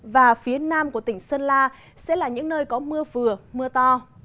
và phía nam của tỉnh sơn la sẽ là những nơi có mưa vừa mưa to